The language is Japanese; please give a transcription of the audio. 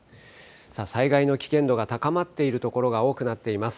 さあ、災害の危険度が高まっている所が多くなっています。